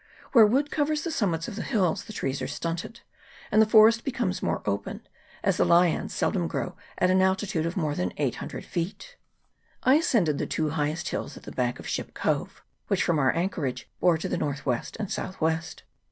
Where wood covers the summits of the hills the trees are stunted, and the forest becomes more open, as the liands seldom grow at an altitude of more than 800 feet. I ascended the two highest hills at the back of Ship Cove, which from our anchorage bore to the north west and south west.